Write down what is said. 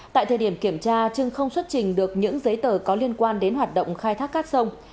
tại thời điểm kiểm tra trương không xuất trình được những giấy tờ có liên quan đến hoạt động khai thác cát sông